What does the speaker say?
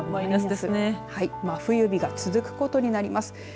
真冬日が続くことになります。